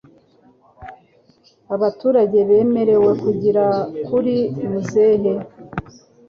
abaturage bemerewe kugera kuri muzehe